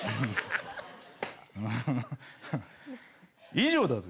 以上だぜ。